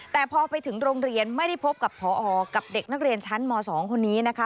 แต่พอไปถึงโรงเรียนไม่ได้พบกับพอกับเด็กนักเรียนชั้นม๒คนนี้นะคะ